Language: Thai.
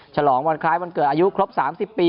ฉลองวันคล้ายวันเกิดอายุครบ๓๐ปี